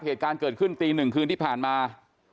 เหตุการณ์เกิดขึ้นตีหนึ่งคืนที่ผ่านมา